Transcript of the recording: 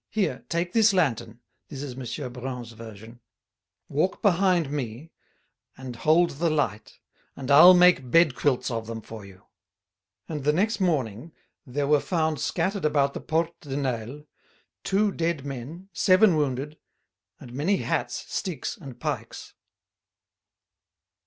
"Here, take this lantern" (this is M. Brun's version), "walk behind me and hold the light, and I'll make bed quilts of them for you!" And the next morning there were found scattered about the Porte de Nesle two dead men, seven wounded, and many hats, sticks, and pikes.